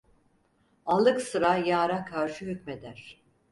Allık sıra yâra karşı hükmeder.